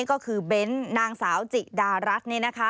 ก็คือเบ้นท์นางสาวจิดารัส